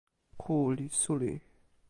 ku li suli.